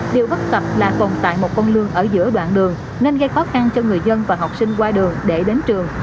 điều bất cập là tồn tại một con lương ở giữa đoạn đường nên gây khó khăn cho người dân và học sinh qua đường để đến trường